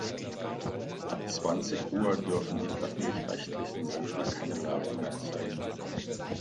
Ab zwanzig Uhr dürfen die öffentlich-rechtlichen Sender keine Werbung mehr zeigen.